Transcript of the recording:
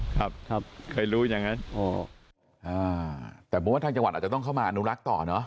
ครับครับเคยรู้อย่างงั้นอ๋ออ่าแต่ผมว่าทางจังหวัดอาจจะต้องเข้ามาอนุรักษ์ต่อเนอะ